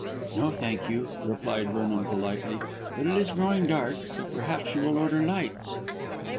"No, thank you," replied Vernon politely; "but it is growing dark, so perhaps you will order lights."